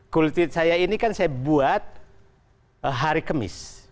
kultute saya ini kan saya buat hari kemis